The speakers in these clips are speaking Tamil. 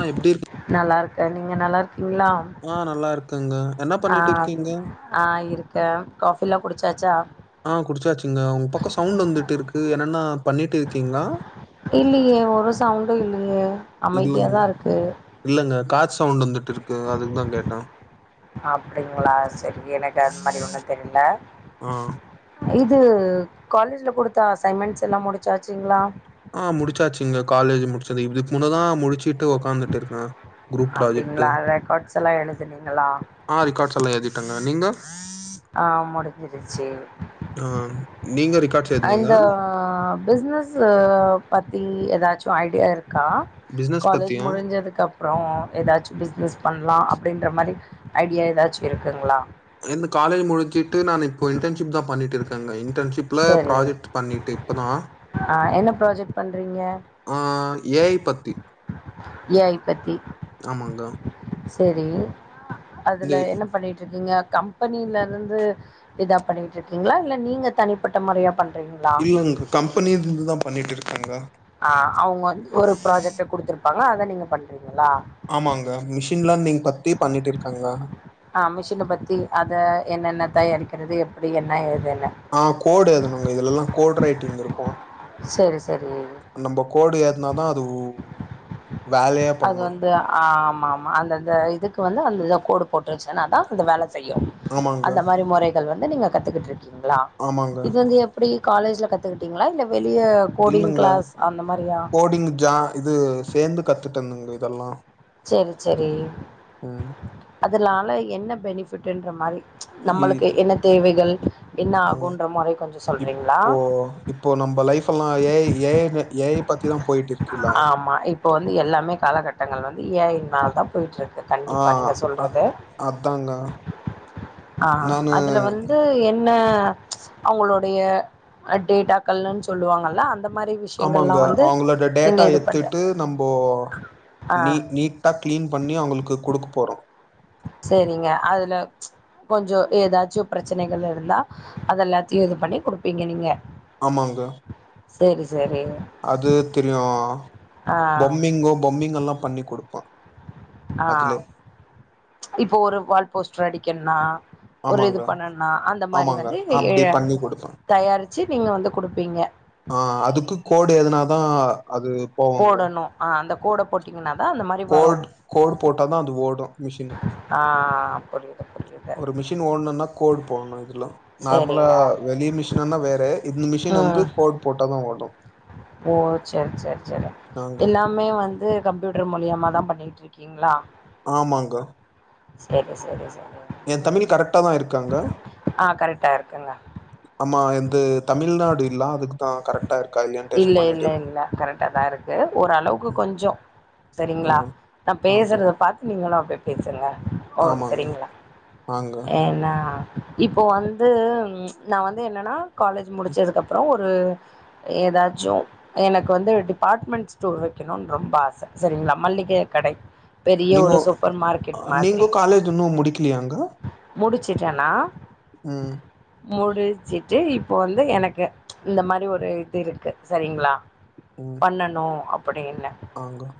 ஆ எப்டி இரு நல்லா இருக்க நீங்க நல்லா இருக்கீங்ளா ஆ நல்லா இருக்கங்க என்ன பண்ணிட்டு இருக்கீங்க ஆ இருக்க காஃபில்லா குடிச்சாச்சா ஆ குடிச்சாச்சுங்க உங்க பக்கோ சவுண்ட் வந்துட்டு இருக்கு என்னன்னா பண்ணிட்டு இருக்கீங்ளா இல்லையே ஒரு சவுண்டு இல்லியே அமைதியா இல்லங்க தா இருக்கு இல்லங்க கார் சவுண்ட் வந்துட்டு இருக்கு அதுக்கு தா கேட்ட அப்டிங்களா சரி எனக்கு அது மாரி ஒண்ணு தெரில ஆ இது காலேஜ்ல குடுத்த அசைன்மெண்ட்ஸ் எல்லா முடிச்சாச்சுங்ளா ஆ முடிச்சாச்சுங்க காலேஜ் முடிச்சது இதுக்கு முன்னதா முடிச்சு ட்டு உக்காந்துட்டு இருக்க க்ரூப் ப்ராஜெட்டு அப்டிங்களா ரெக்கார்ட்ஸ் எல்லாம் எழுதுனீங்களா ஆ ரிக்காட்ஸ் எல்லா எழுதிட்டங்க நீங்க ஆ முடிஞ்சிருச்சி ஆ நீங்க ரிக்காட்ஸ் எழுதுனீங்ளா ஆ பிஸ்னஸ்ஸ பத்தி எதாச்சு ஐடியா இருக்கா பிசினஸ் காலேஜ் பத்தியா முடிஞ்சதுக்கு அப் அப்பறோ ஏதாச்சு பிஸ்னஸ் பண்லா அப்டின்ற மாரி ஐடியா ஏதாச்சு இருக்குங்ளா எந்த காலேஜ் முடிச்சுட்டு நானு இப்போ இன்டன்ஷிப்தா பண்ணிட்டு இருக்கேங்க இன்டன்ஷிப் ப்ள சரி ப்ராஜெட் பண்ணிட்டு இப்பதா ஆ என்ன ப்ராஜெக்ட் பண்றீங்க ஆ ஏ ஐ பத்தி ஏ ஐ பத்தி ஆமாங்க செரி அதுல இந்த என்ன பண்ணிட்ருக்கீங்க கம் பனில இருந்து இதா பண்ணிட்ருக்கீங்ளா இல்ல நீங்க தனிப்பட்ட மொறையா பண் இல்லங் கம்பெனி இருந்துதா பண்ணிட்டு இருக்கேங்க ஆ அவுங்க வந்து ஒரு ப்ராஜெக்ட குடுத்துருப்பாங்க அத நீங்க பண்றீங்களா ஆமாங்க மிஷின்ல நீங்க பத்தியே பண்ணிட்டு இருக்காங்கங்க ஆ மிஷின பத்தி அத என்னென்ன தயாரிக்கிறது எப்புடி என்ன ஏதுன்னு ஆங் கோடு எழுதுனுங்க இதுல எல்லா கோடு ரைட்டிங்ல இருக்கு செரி செரி நம்ப கோடு எதுனாதா அது உ அது வந்து ஆ ஆமாம் மா அந்தந்த இதுக்கு வந்து அந்த கோடு போட்ருன்ச்சுனாதா அந்த வேல செய்யு ஆமாங்க அந்த மாரி மொறை கள் வந்து நீங்க கத்துக்கிட்டு இருக்கீங்களா ஆமாங்க இது வந்து எப்டி காலேஜ்ல கத்துக்கிட்டீங்களா இல்ல வெளிய கோடிங் இல்லங்க கிளாஸ் அந்த மாரியா கோடிங் ஜா இது சேந்து கத்துந்தேன்ங்க இதெல்லா சேரி சேரி ம் அதனால என்ன பெனிஃபிட்டுன்ற மாரி இ நம்மளுக்கு என்ன தேவைகள் என்ன ஆ ஆகுன்ற மொறை கொஞ்சோ சொல்றீங்களா இப்போ இப்போ நம்ப லைஃப்பெல்லா A I A I A I பத்திதா போய்ட்டு இருக்கு ஆமா இப்போ வந்து எல்லாமே காலகட்டங்கள் வந்து ஏ ஐ னாலதா போய்ட்டுருக்கு ஆ கண்டிப்பா நீங்க அ சொல்றது அதாங்க ஆ நானு அதுல வந்து என்ன அவுங்களுடைய அ டேட்டாக்கள்னு சொல்லுவாங்கல்ல அந்த மாரி விஷ் ஆமாங்க அவுங்களோட டேட்டா எடுத்துட்டு நம்போ ஆ நீ நீட் டா க்ளீன் பண்ணி அவுங்களுக்கு குடுக்க போறோ சேரிங்க அதுல கொஞ்சோ எதாச்சு ப்ரெச்சனைகள் இருந்தா அத எல்லாத்தையு இது பண்ணி குடுப்பீங்க நீங்க ஆமாங்க சேரி சேரி அது தெரியு ஆ பொம்மிங்கோ பொம்மிங்கல்லா பண்ணி குடுப்பா ஆங் இப்போ ஒரு வால்போஸ்ட்ரு அடிக்கணுன்னா ஒரு ஆமாங்க இது பண்ணனுனா அந்த மாரி ஆமாங்க வந்து அப்டி பண்ணி குடுப்பே தயாரிச்சு நீங்க வந்து குடுப்பீங்க ஆ அதுக்கு கோடு எழுதுனாதா அது போவுங்க போடணு அ அந்த கோட போட்டீங்கன்னாதா அந்த மாரி வரு கோட் கோடு போட்டா தா அது ஓடு மிஷினு ஆ புரியுது புரி ஒரு மிஷின் ஓடணுனா கோட் போடணு இதுல நார்மலா சேரிங்க வெளி மிஷினனா வேற இந்த ஆ மிஷின் வந்து கோட் போட்டாதா ஓடு ஓ சேர் சேர் சேரி ஆங்க எல்லாம் மே வந்து கம்ப்யூட்டர் மூலியமாதா பண்ணிகிட்டு இருக்கீங்களா ஆமாங்க செரி செரி செரி ஏ தமிழ் கரெக்டாதா இருக்காங்க ஆ கரெக்டா இருக்குங்க ஆமா எந்து தமிழ்நாடு இல்லா அதுக் ஆ கரக்டா இருக்கா இல்லயான் இல்ல இல்ல இல்ல கரெக்டாதா இருக்கு ஓரளவுக்கு கொஞ்சோ சரிங்களா ம் நா ஆங்க பேசுறத பாத்து நீங்களு அப்டி யே பேசுங்க ஓ ஆமாங்க சரிங்களா ஆங்க ஏன்னா இப்போ வந்து நா வந்து என்னன்னா காலேஜ் முடிச்சதுக்கு அப்றோ ஒரு ஏதாச்சும் எனக்கு வந்து டிபார்ட்மெண்ட் ஸ்டோர் வெக்கணுனு ரொம்ப ஆச சரிங்களா மள்ளிகை கடை பெரிய ஒரு நீங்கோ சூப்பர் மார்க்கெட் மாதிரி நீங்கோ காலேஜ் இன்னும் முடிக்கலையாங்க முடிச்சுட்டேனா உம் முடிச்சுட்டு இப்ப வந்து எனக்கு இந்த மாதிரி ஒரு இது இருக்கு சரிங்களா ம் பண்ணணு அப்டின்னு ஆங்க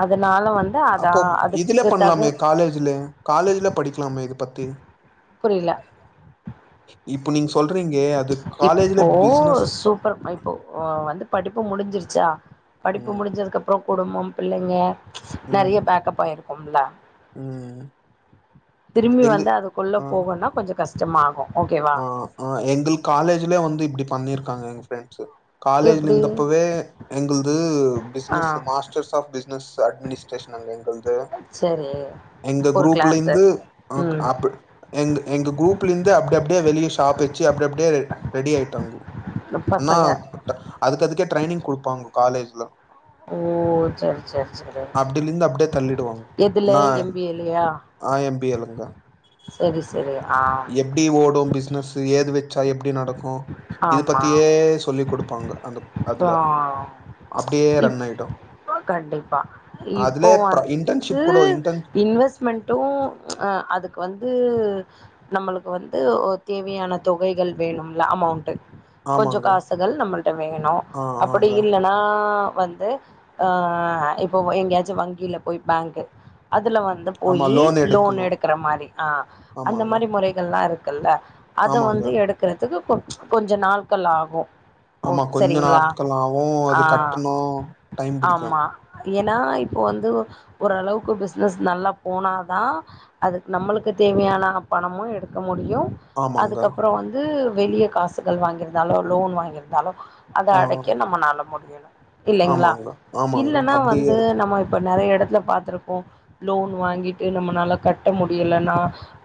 அதுனால வந்து அப்போ அதான் இதுல அதுக்கு தகு பண்லாமே காலேஜ்ல காலேஜ்ல படிக்கலாமே இது பத்தி புரில இப்போ நீங் சொல்றீங்களே அது காலேஜ்ல பிஸ்னஸ் ப ப்போ வந்து படிப்பு முடிஞ்சிருச்சா படிப்பு ம் முடிஞ்சதுக்கு அப்றோ குடும்பம் பிள்ளைங்க ம் நெறைய பேக்கப்பாயிருக்கும்ல ம் திரும்பி எங்க வந்து அதுக்குள்ள ஆ போகும்னா கொஞ்சோ கஷ்டமாகும் ஓகேவா ஆ ஆ எங்கள் காலேஜ்லே வந்து இப்டி பண்ணிருக்காங்க எங்க ஃப்ரெண்ட்ஸ் காலேஜ்ல எப்படி இருந்தப்பவே எங்கள்து ஆ business masters of business administration அங்க எங்கள்து சரி எங்க ஒரு குரூப்ல கிளாஸு இருந்து அப்‌ ம் ஆப்பு எங் எங்க குரூப்ல இருந்து அப்டி அப்டியே வெளியே ஷாப் வச்சு அப்டி அப்டியே ரெடி ஆயிட்டாங்கோ அனா பசங்க அதுக் அதுக்கு ட்ரைனிங் குடுப்பாங்க காலேஜ்ல ஓ செர் செர் செரி அப்டிலிந்து அப்டியே தள்ளிடுவாங்க எதுல நா எம் பி ஏ லையா ஆ எம் பி ஏல்ல தா செரி செரி ஆ எப்டி ஓடும் பிஸ்னஸ் ஏது வச்சா எப்டி நடக்கு இது ஆமா பத்தியே சொல்லிக் குடுப்பாங்க அந்த அதுல அப்றோ அப்டியே ரன் ஆயிடு இப் கண்டிப்பா இப்போ அதுலே ப்ர வந்த்தூ இன்டர்ன்ஷிப் கூட இன்டர்ன் இன்வெஸ்ட் மென்டும் அ அதுக்கு வந்து நம்மளுக்கு வந்து ஒரு தேவையான தொகைகள் வேணும்ல அமௌண்ட் ட்டு கொஞ்சோ ஆமாங்க காசுகள் நம்மள்ட்ட வேணு ஆ அப்டி ஆங்க இல்லன் னா வந்து ஆ இப்போ எங்கயாச்சு வங்கில போய் பேங்க்கு அதுல வந்து ஆமா போயி லோன் எடுக்கணு எடுக்கற மாரி ஆ அந்த ஆமாங்க மாரி முறைகள்ல்லா இருக்குல்ல அத ஆமாங்க வந்து எடுக்குறதுக்கு கொ கொஞ்சோ நாட்கள் ஆகு ஓ ஆமா கொஞ்சோ சரிங்களா நாட்களாவு ஆ அது கட்டுணு டைம் புடிக்கு ஆமா ஏன்னா இப்போ வந்து ஓரளவுக்கு பிசினஸ் நல்லா போனாதா அதுக்கு நம்மளுக்கு தேவையான பணமு எடுக்க முடியு ஆமாங்க அதுக்கப்பறோ வந்து வெளிய காசுகள் வாங்கியிருந்தாலோ லோன் வாங்கியிருந்தாலோ அத ஆ அடைக்க நம்மனால முடியணு இல்லைங்ளா ஆமாங்க ஆமாங்க இல்லன்னா அப்டியே வந்து இருக்கு நம்ம இப்ப நெறைய எடத்துல பாத்துருப்போ லோன் வாங்கிட்டு நம்மனால கட்ட முடியலனா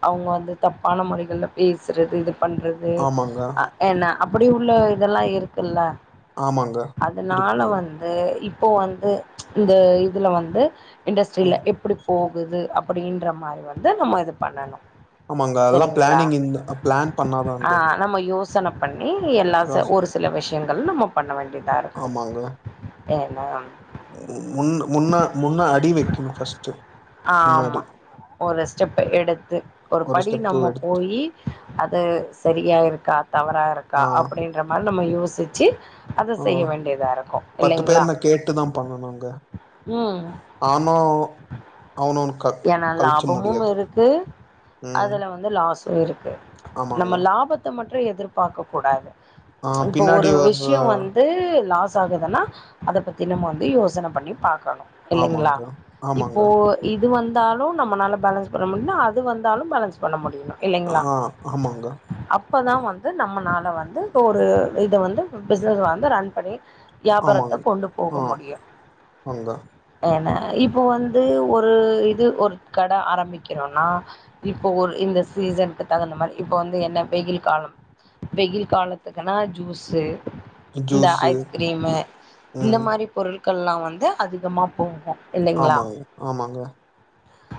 அவுங்க வந்து தப்பான முறைகள்ல பேசுறது இது பண்றது து ஆமாங்க அ என்ன அப்புடி உள்ள இதல்லா இருக்குல்ல ஆமாங்க அதுனால இருக்குங்க வந் து இப்போ வந்து இந்த இதுல வந்து இண்டஸ்ட்ரீல ம் எப்டி போகுது அப்புடின்ற மாரி வந்து நம்ம இது பண்ணணு ஆமாங்க அதல்லா பிளானிங் இருந்தா பிளான் பண்ணாதாங்க ஆனா நம்ம யோ யோசன பண்ணி எல்லா ச ராஸ் ஒரு சில விஷயங்கள் நம்ம பண்ண வேண்டிதா இருக்கு ஆமாங்க வேனாம் முன் முன்ன முன்ன அடி வைக்கணு ஃபஸ்ட்டு முன்னாடி ஆமா ஒரு ரெஸ்டெப்டு எடுத்து ஒரு படி ஸ்டெப்பு நம்ம எடுத்து போயி அது சரியா இருக்கா தவறா இருக்கா ஆ அப்புடின் ற மாரி நம்ம யோசுச்சு அத செய்ய வேண்டியதா இருக்கு இல்லைங்ளா ட்டு தா பண்ணனுங்க நானு ஏனா லாபமும் இருக்கு ம் அதுல வந்து லாஸு இருக்கு ஆமாங்க நம்ம லாபத்த மட்டு எதிர்பாக்க கூடாது ஆ இப்போ பின்னாடி ஒரு வர்ற விஷ்யோ வந்து து லாஸ் ஆகுதுனா அத பத்தி நம்ம வந்து யோசன பண்ணி பாக்கணு இல்லைங்ளா ஆமாங்க இப்போ ஆமாங்க இது வந்தாலு நம்மனால பேலன்ஸ் பண்ண முடியனு அது வந்தாலு பேலன்ஸ் பண்ண முடியனு ஆ ஆமாங்க அப்பதா வந்து நம்மனால வந்து இப்ப ஒரு இத வந்து பிஸ்னஸ வந்து ரன் பண்ணி வியாபாரத்த கொண்டு போக முடியு ஒங்க ஏன இப்ப வந்து ஒரு இது ஒரு கட ஆரம்பிக்கிறோனா இப்போ ஒரு இந்த சீசன்க்கு தகுந்த மாரி இப்ப வந்து என்ன வெயில் காலம் வெயில் காலத்துகுனா ஜூசு இந்த ஜூஸு ஐஸ்க்ரீமு இந்த ம் மாரி பொருட்கள்லா வந்து அதிகமா போகு இல்லைங்ளா ஆமாங்க ஆமாங்க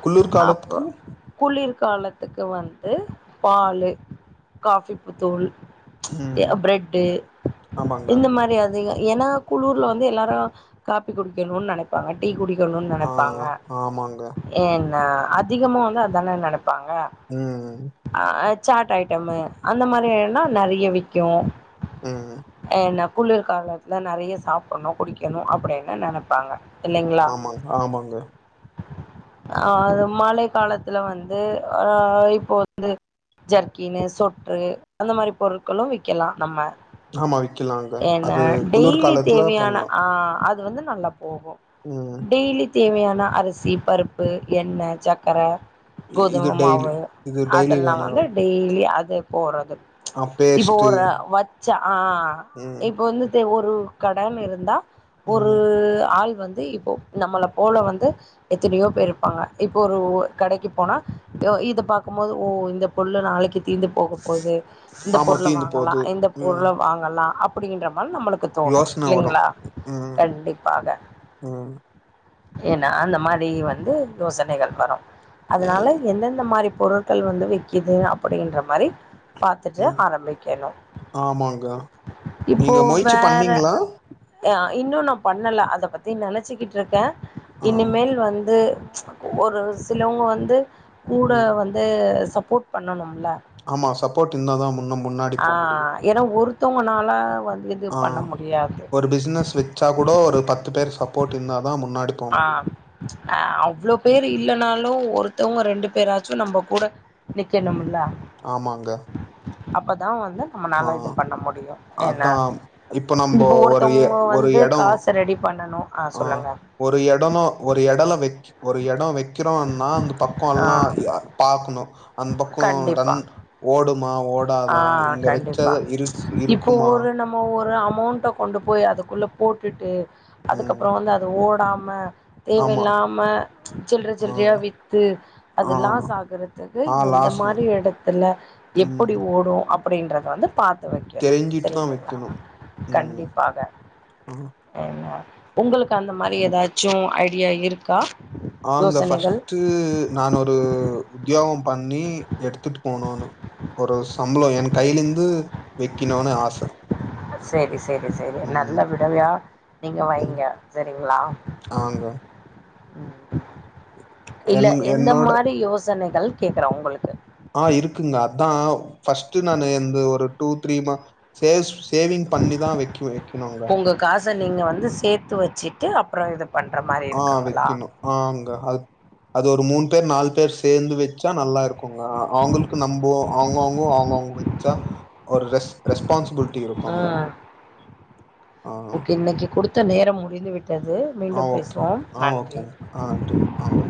குளிர் அப்போ காலத்துக்கு குளிர் காலத்துக்கு வந்து பாலு காஃபி புத் தூள் எ ம் பிரட்டு ஆமாங்க இந்த மாரி அதிகோ ஏனா குளூர்ல வந்து எல்லாரு காஃபி குடிக்கணுனுன் நெனைப்பாங்க டீ குடிக்கணுனுன் ஆ நெனப்பாங்க ஆமாங்க என்ன அதிகமா வந்து அதான நெனப்பாங்க ம் ஆ ஆ சாட் ஐட்டமு அந்த மாரி வேனுனா நெறைய விக்கு ம் என்னா குளிர் காலத்துல நெறைய சாப்பன்ணு குடிக்கணு அப்டின் னுனு நெனப்பாங்க இல்லைங்ளா ஆமாங்க ஆமாங்க ஆது மழை காலத்துல வந்து ஆ இப்ப வந்து ஜர்க்கினு சொற்று அந்த மாரி பொருட்களு விக்கலா நம்ம ஆமா விக்கலாங்க என்ன அது குளிர் டெய்லி காலத்துல தேவையான பண்லா ஆ அ து வந்து நல்லா போகு ம் டெய்லி தேவையான அரிசி பருப்பு எண்ணெ சக்கர இ- இது கோதும டெய்லி மாவு இது டெய்லி அதெல்லா வேணு வந்துட் டெய்லி அதே போறது ஆ இப்போ பேஸ்ட்டு ஒரு வச்ச ஆ ம் இப்பொ வந்து தே ஒரூ கடன் இருந்தா ஒரு ம் ஆள் வந்து இப்போ நம்மள போல வந்து எத்தனயோ பேர் இருப்பாங்க இப்ப ஒரு கடைக்கி போனா யொ இத பாக்கும்போது ஓ இந்த புள்ள நாளைக்கி தீந்து போக போக்தூ இந்த ஆமா பொருள தீந்து வாங்கலா போது இந்த ம் பொருள வாங்கலா அப்டின்ற மால் நம்மளுக் கு தோணு யோசன வரு இல்லைங்ளா ம் கண்டிப்பாக ம் ஏனா அந்த மாரி வந்து யோசனைகள் வரூ அதுனால ம் எந்தெந்த மாரி பொருட்கள் வந்து விக்குது அப்டின்ற மாரி பாத்துட்டு ம். ஆரம்பிக்கணு ஆமாங்க இப்போ நீங்க முயற்சி வேற பண்ணீங்களா அ இன்னு நா பண்ணல அத பத்தி நெனச்சிகிட்ருக்கே ஆ இனிமேல் வந்து ஒரு சிலவொங்க வந்து கூட ம் வந்து சப்போர்ட் பண்ணணும்ல ஆமா சப்போட் இந்தாதா மு ஆ ஏனா ஒருத்தவொங்கனால வந்து எது ஆ ஒரு பிஸுனஸ் வச்சா கூடோ ஒரு பத்து பேர் சப்போட் இந்தாதா முன்னாடி போ ஆ முடியு அ அவ்ளோ பேரு இல்லனாலு ஒருத்தவ்ங்க ரெண்டு பேராச்சு நம்ம கூட ம் நிக்கனுமுல்ல ஆமாங்க அப்பதா வந்து ஆ நம்மனால இது பண்ண முடியு ஏன்ன அதா இப்ப நம்போ இப்பொ ஒரு எ ஒருத்தவொங்க ஒரு வந்து எடோ காச ரெடி பண்ணணு ஆ ஒரு எடனு ஒரு எடல வக் ஒரு எடோ வெக் கிறோன்னா அந்த ஆ பக்கோல்லா ய பாக்கணு அந் பக்கோ டன் கண்டிப்பா ஓடுமா ஆ ஓடாதா இங்க வச்சத இருக் இருக்குமா நோ ஒரு அமௌண்ட்ட கொண்டு போய் அதுக்குள்ள போட்டுட்டு ம் அதுக்கப்றோ வந்து அது ஓடாம ஆமா தேவயில்லாம சில்ற ஆ சில்றயா வித்து அது ஆ லாஸ் ஆகுறதுக்கு ஆ எந்த லாஸ்ட்ல மாரி எடத்துல ம் எப்புடி ஓடூ அப்டின்றத வந்து பாத் து வைக்கணு தெரிஞ்சிட்டு தா சரிங்களா வெக்கணு ம் கண்டிப்பாக ஆ ஏனா உங்களுக்கு அந்த மாரி ஏதாச்சு ஐடியா இருக்கா ஆங்க யோசனைகள் ஃபஸ்ட்டூ நான் ஒரூ உத்யோகோ பண்ணி எடுத்துட்டு போனோனு ஒரு சம்பளோ என் கைலெந்து வெக்கணூனு ஆச சேரி சேரி சேரி நல்ல ம் விடவயா நீங்க வைங்க சரிங்ளா ங்க இல்ல என் எந்த என்னோட மாரி யோசனைகள் கேக்றே உங்களுக்கு ஆஹ் இருக்குங்க அதா ஃபஸ்ட்டு நானு எந்து ஒரு டூ த்ரீ ம சேஸ் சேவிங் பண்ணிதா வெக்குவே வெக்கணூங்க உங்க காச நீங்க வந்து சேத்து வச்சிட்டு அப்றொ இத பண்ற மாரி ஆஹ் இருக்குங்களா வெக்கணு ஆங்க அத் அது ஒரு மூண் பேர் நாலு பேர் சேந்து வெச் சா நல்லா இருக்குங்க அவங்களுக்கு நம்போ அவங்கவ்ங்கோ அவங்கவ்ங்க வச்சா ஒரு ரெஸ் ரெஸ்பான்சிபுல் ஆஹ் ஆ ஓகே இன்னைக்கி குடுத்த நேரம் முடிந்து விட்டது ஆ மீண்டும் ஓகே பேசுவோம் ஆ நன்றி ஓகேங்க ஆ டீ ஆங்க